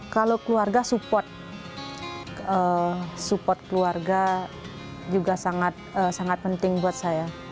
kalau keluarga support keluarga juga sangat penting buat saya